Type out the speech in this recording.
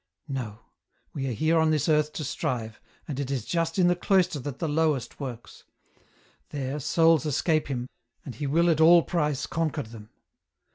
" No, we are here on this earth to strive, and it is just in the cloister that the Lowest works ; there, souls escape him, and he wiU at all price conquer them.